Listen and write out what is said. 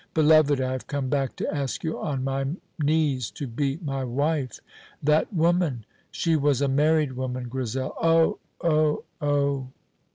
"Beloved, I have come back to ask you on my knees to be my wife." "That woman " "She was a married woman, Grizel." "Oh, oh, oh!"